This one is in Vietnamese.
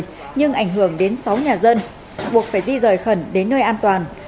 sạt lở không gây thiệt hại về người nhưng ảnh hưởng đến sáu nhà dân buộc phải di rời khẩn đến nơi an toàn